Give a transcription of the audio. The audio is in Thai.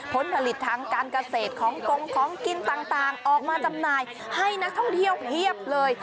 ผลผลิตทางการเกษตรของกงของกินต่างออกมาจำหน่ายให้นักท่องเที่ยวเพียบเลย